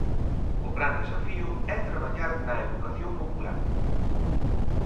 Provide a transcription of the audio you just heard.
O gran desafío é traballar na educación popular.